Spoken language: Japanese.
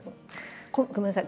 ごめんなさい。